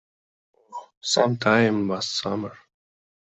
Oh, some time last summer.